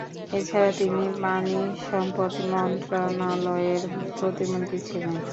এছাড়া তিনি পানি সম্পদ মন্ত্রণালয়ের প্রতিমন্ত্রী ছিলেন।